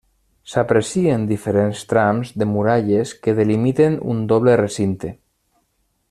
S'aprecien diferents trams de muralles que delimiten un doble recinte.